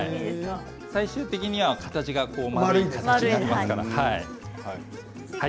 最終的には形が丸い形になっていきますから。